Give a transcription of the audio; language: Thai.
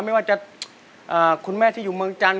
ไม่ว่าจะคุณแม่ที่อยู่เมืองจันท